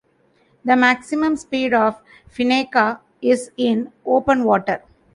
The maximum speed of "Fennica" is in open water.